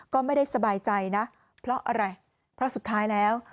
ก็ไม่ได้สบายใจนะเพราะอะไรเพราะสุดท้ายแล้ว